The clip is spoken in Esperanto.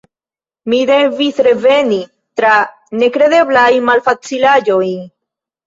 Mi devis reveni, tra nekredeblaj malfacilaĵoj.